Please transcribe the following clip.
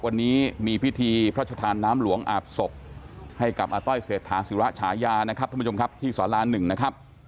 วันนี้มีพิธีพระชธานน้ำหลวงอาบศพให้กับอาต้อยเศรษฐาศิระฉายานะครับท่านผู้ชมครับที่สารา๑นะครับ